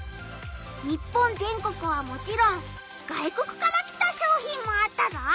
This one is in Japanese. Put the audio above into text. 日本全国はもちろん外国から来た商品もあったぞ！